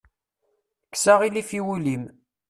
Kkes aɣilif i wul-im.